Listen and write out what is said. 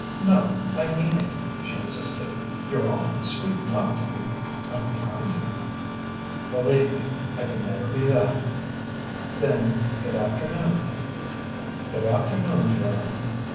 "No, I mean it," she insisted. "You're awf'ly sweet not to be unkind to me." "Believe me, I could never be that." "Then g'dafternoon." "Good afternoon, Joan."